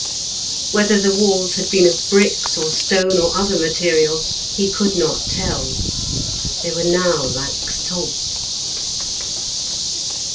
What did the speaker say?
Whether the walls had been of bricks or stone or other material he could not tell; they were now like salt.